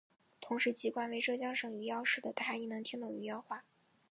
同时籍贯为浙江省余姚市的她亦能听懂余姚话。